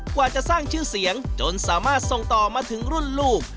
กว่าจะสร้างชื่อเสียงจนสามารถส่งต่อมาถึงรุ่นลูก